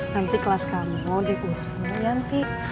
nanti kelas kamu dikursinya nanti